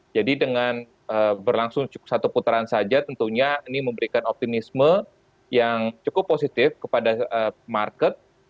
jadi dengan berlangsung satu putaran saja tentunya ini memberikan optimisme yang cukup positif kepada market